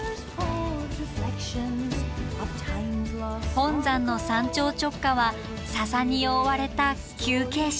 本山の山頂直下は笹に覆われた急傾斜。